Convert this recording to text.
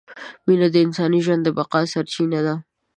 مینه د انساني ژوند د بقاء سرچینه ده!